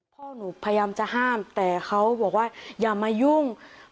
พ่อหนูพยายามจะห้ามแต่เขาบอกว่าอย่ามายุ่ง